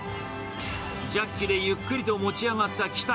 ジャッキでゆっくりと持ち上がった機体。